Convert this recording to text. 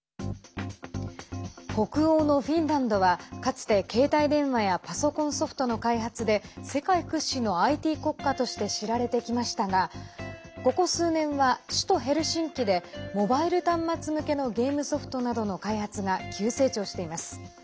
北欧のフィンランドはかつて携帯電話やパソコンソフトの開発で世界屈指のＩＴ国家として知られてきましたがここ数年は、首都ヘルシンキでモバイル端末向けのゲームソフトなどの開発が急成長しています。